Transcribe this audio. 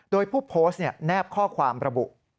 โดยผู้โพสต์แนบข้อความระบุ